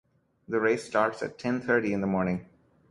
The race starts at ten thirty in the morning.